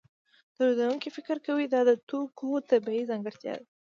تولیدونکی فکر کوي دا د توکو طبیعي ځانګړتیا ده